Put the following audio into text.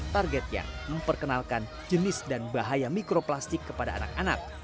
targetnya memperkenalkan jenis dan bahaya mikroplastik kepada anak anak